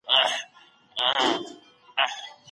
د مصنوعي تنفس قاچاق باید په جدي توګه وڅېړل شي.